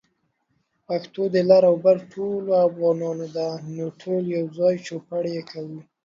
پښتو د لر او بر ټولو افغانانو ده، نو ټول يوځای چوپړ يې کوو